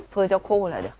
phơi cho khô là được